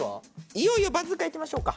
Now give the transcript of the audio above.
いよいよバズーカいきましょうか。